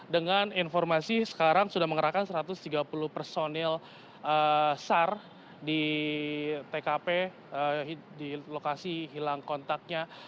dengan informasi sekarang sudah mengerahkan satu ratus tiga puluh personil sar di tkp di lokasi hilang kontaknya